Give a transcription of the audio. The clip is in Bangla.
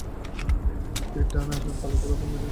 পিঠ ও ডানার পালক গোলাপী-মেরুন বা ইট রঙের লালচে।